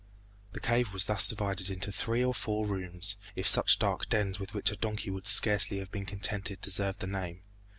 The cave was thus divided into three or four rooms, if such dark dens with which a donkey would scarcely have been contented deserved the name.